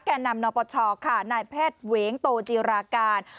แก่นำนปชค่ะนายแพทย์เหวงโตจีราการ